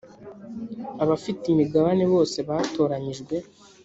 abafite imigabane bose batoranyijwe